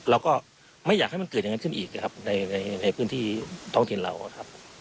เราก็ไม่อยากให้มันเกิดอย่างนั้นขึ้นอีกนะครับในพื้นที่ท้องถิ่นเราครับ